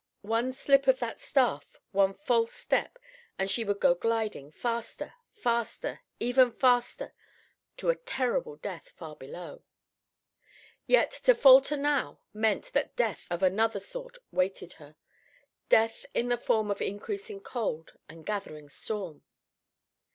One slip of that staff, one false step, and she would go gliding, faster, faster, ever faster, to a terrible death far below. Yet to falter now meant that death of another sort waited her; death in the form of increasing cold and gathering storm.